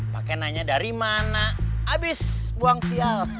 pakai nanya dari mana abis buang siap